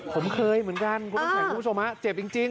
ผมเคยเหมือนกันคุณผู้ชมเจ็บจริง